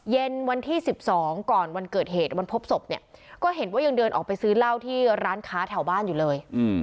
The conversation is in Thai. เย็นวันที่๑๒ก่อนวันเกิดเหตุวันพบศพเนี่ยก็เห็นว่ายังเดินออกไปซื้อเหล้าที่ร้านค้าแถวบ้านอยู่เลย